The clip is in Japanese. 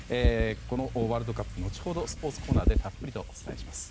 このワールドカップ後ほど、スポーツコーナーでたっぷりお伝えします。